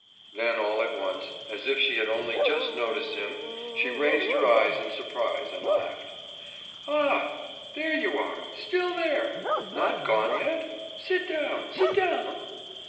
« Then all at once, as if she had only just noticed him, she raised her eyes in surprise, and laughed. »Ah! There you are still there! Not gone yet! Sit down, sit down!